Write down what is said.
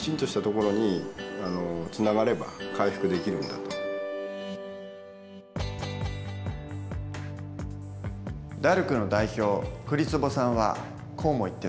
だからＤＡＲＣの代表栗坪さんはこうも言ってた。